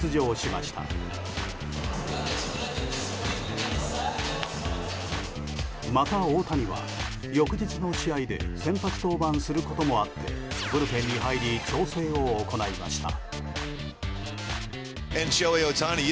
また、大谷は翌日の試合で先発登板することもあってブルペンに入り調整を行いました。